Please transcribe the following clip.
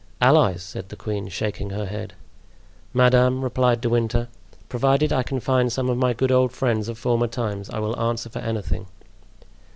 "Allies!" said the queen, shaking her head. "Madame," replied De Winter, "provided I can find some of my good old friends of former times I will answer for anything."